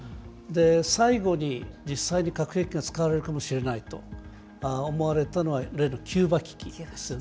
最後に実際に核兵器が使われるかもしれないと思われたのは、いわゆるキューバ危機ですよね。